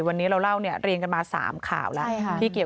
วันนี้เราเล่าเนี่ยเรียงกันมา๓ข่าวแล้ว